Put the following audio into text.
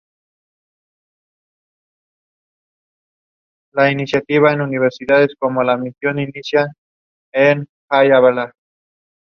Dispone de una taquilla para la compra de títulos de transportes Transilien.